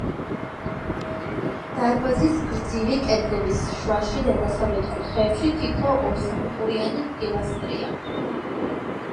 დარბაზის გრძივი კედლების შუაში და დასავლეთ კუთხეებში თითო ორსაფეხურიანი პილასტრია.